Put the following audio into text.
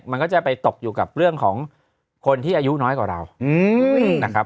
มันก็จะไปตกอยู่กับเรื่องของคนที่อายุน้อยกว่าเรานะครับ